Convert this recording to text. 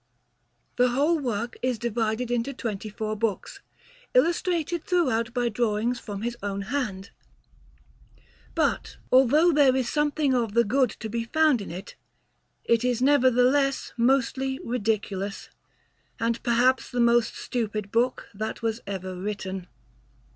The whole work is divided into twenty four books, illustrated throughout by drawings from his own hand; but, although there is something of the good to be found in it, it is nevertheless mostly ridiculous, and perhaps the most stupid book that was ever written.